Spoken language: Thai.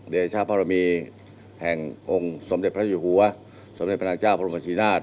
เดชะพรมีแห่งองค์สมเด็จพระเจ้าอยู่หัวสมเด็จพระนางเจ้าพระรมชินาศ